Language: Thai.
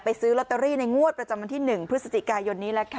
ไปซื้อลอตเตอรี่ในงวดประจำบัญฑ์ที่หนึ่งพฤษฐิกายทนี้แหละค่ะ